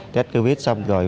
test covid xong rồi